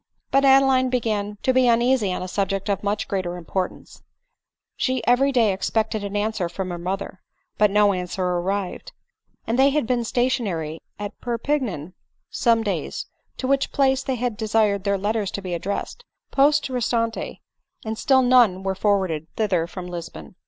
But Adeline began to be uneasy on a subject of much greater importance ; she every day expected an answer from her mother, but no answer arrived ; and they had been stationary at Perpignan some days, to which place they had desired their letters to be addressed, posts re stante, and still none were forwarded thither from Lisbon.